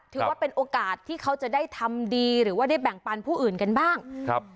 ถือว่าเป็นโอกาสที่เขาจะได้ทำดีหรือว่าได้แบ่งปันผู้อื่นกันบ้างครับ